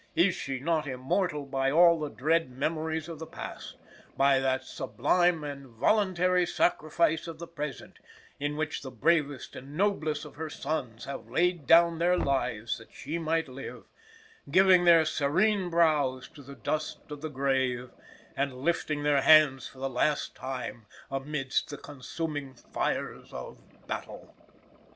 Is she not immortal by all the dread memories of the past by that sublime and voluntary sacrifice of the present, in which the bravest and noblest of her sons have laid down their lives that she might live, giving their serene brows to the dust of the grave, and lifting their hands for the last time amidst the consuming fires of battle!"